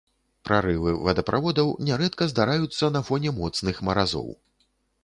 Прарывы водаправодаў нярэдка здараюцца на фоне моцных маразоў.